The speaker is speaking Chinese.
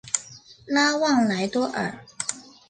拉旺莱多尔。